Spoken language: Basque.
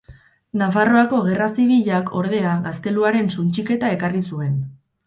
Nafarroako Gerra Zibilak ordea, gazteluaren suntsiketa ekarri zuen.